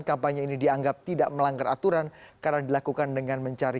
kampanye ini dianggap tidak melanggar aturan karena dilakukan dengan mencari